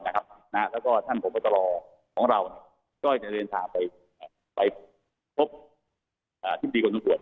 และท่านผมปราตรอของเราค่อยจะเรียนทางไปพบที่ที่ดีกว่าน่ะบอก